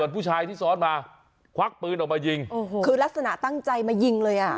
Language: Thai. ผู้ชายที่ซ้อนมาควักปืนออกมายิงโอ้โหคือลักษณะตั้งใจมายิงเลยอ่ะ